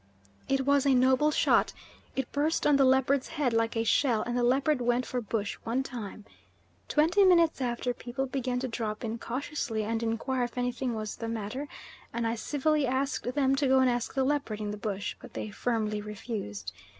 It was a noble shot; it burst on the leopard's head like a shell and the leopard went for bush one time. Twenty minutes after people began to drop in cautiously and inquire if anything was the matter, and I civilly asked them to go and ask the leopard in the bush, but they firmly refused.